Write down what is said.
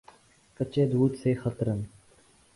کچے دودھ سے خطرن